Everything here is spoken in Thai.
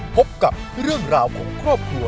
พบกับเรื่องราวของครอบครัว